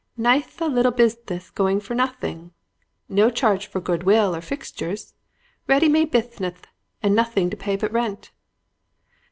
Nithe little bithness going for nothing. No charge for goodwill or fixtures. Ready made bithneth and nothing to pay but rent.'